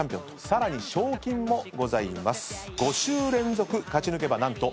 さらに賞金もございます。